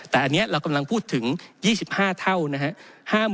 แต่อันนี้เรากำลังพูดถึง๒๕เท่านะครับ